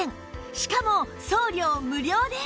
しかも送料無料です